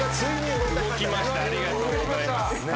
動きましたありがとうございます。